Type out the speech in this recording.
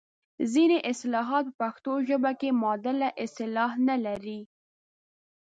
ځینې اصطلاحات په پښتو ژبه کې معادله اصطلاح نه لري.